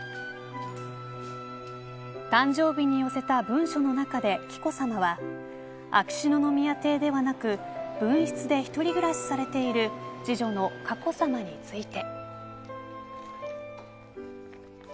誕生日に寄せた文書の中で紀子さまは秋篠宮邸ではなく分室で一人暮らしされている次女の佳子さまについて。